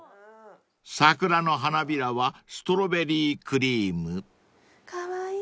［桜の花びらはストロベリークリーム］カワイイ。